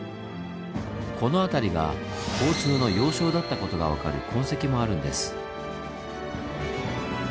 この辺りが交通の要衝だったことが分かる痕跡もあるんです。